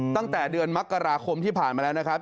ตั้งแต่เดือนมกราคมที่ผ่านมาแล้วนะครับ